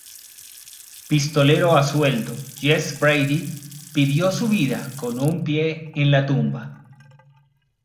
Pistolero a sueldo, Jess Brady vivió su vida con un pie en la tumba.